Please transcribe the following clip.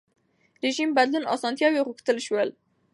رژیم بدلون اسانتیا غوښتل شوه.